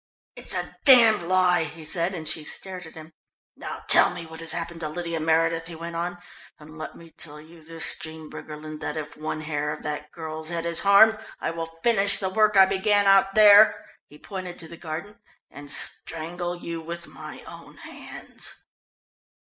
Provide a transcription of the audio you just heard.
"It's a damned lie!" he said, and she stared at him. "Now tell me what has happened to Lydia Meredith," he went on, "and let me tell you this, Jean Briggerland, that if one hair of that girl's head is harmed, I will finish the work I began out there," he pointed to the garden, "and strangle you with my own hands."